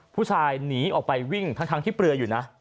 ผู้ชายหนีออกไปวิ่งทั้งที่เปลืออยู่นะ